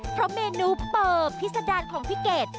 เพราะเมนูเปิบพิษดารของพี่เกด